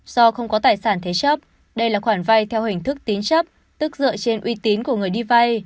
do không có tài sản thế chấp đây là khoản vay theo hình thức tín chấp tức dựa trên uy tín của người đi vay